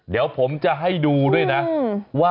เดี๋ยวผมจะให้ดูด้วยนะว่า